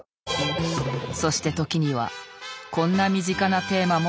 そして時にはこんな身近なテーマも扱った。